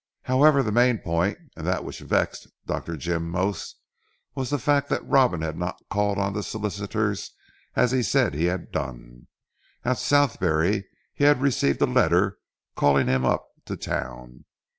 However the main point, and that which vexed Dr. Jim most, was the fact that Robin had not called on the solicitors, as he said he had done. At Southberry he had received a letter calling him up to town.